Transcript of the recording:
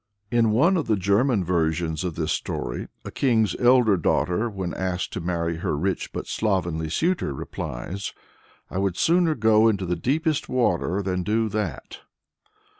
In one of the German versions of this story, a king's elder daughter, when asked to marry her rich but slovenly suitor, replies, "I would sooner go into the deepest water than do that."